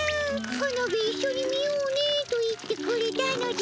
花火いっしょに見ようねと言ってくれたのじゃ。